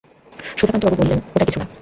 সুধাকান্তবাবু বললেন, ওটা কিছু না।